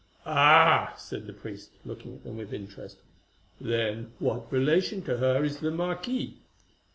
"Ah!" said the priest, looking at them with interest, "then what relation to her is the marquis?